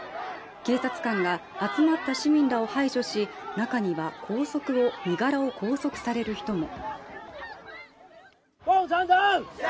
警察官が集まった市民らを排除し中には身柄を拘束される人も。